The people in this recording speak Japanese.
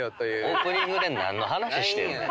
オープニングで何の話してんねん。